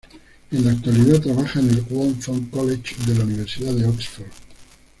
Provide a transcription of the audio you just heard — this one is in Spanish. En la actualidad trabaja en el Wolfson College de la Universidad de Oxford.